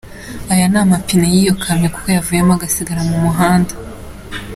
Aya ni amapine y'iyo kamyo kuko yavuyemo agasigara mu muhanda.